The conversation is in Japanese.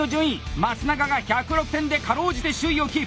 松永が１０６点でかろうじて首位をキープ！